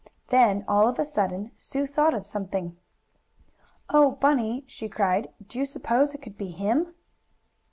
Then, all of a sudden, Sue thought of something. "Oh, Bunny!" she cried. "Do you s'pose it could be him?"